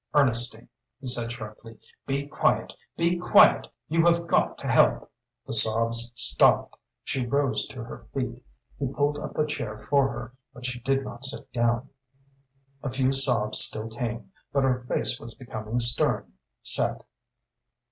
"Ernestine," he said, sharply "be quiet. Be quiet! You have got to help." The sobs stopped; she rose to her feet. He pulled up a chair for her, but she did not sit down. A few sobs still came, but her face was becoming stern, set.